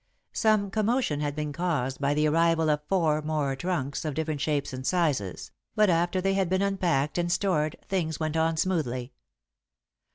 Some commotion had been caused by the arrival of four more trunks, of different shapes and sizes, but after they had been unpacked and stored, things went on smoothly.